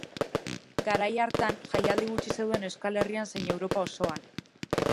Garai hartan, jaialdi gutxi zeuden Euskal Herrian zein Europa osoan.